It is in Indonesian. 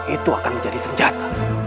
itu akan menjadi senjata